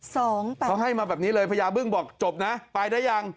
เขาให้มาแบบนี้เลยพญาบึ้งบอกจบนะไปได้ยัง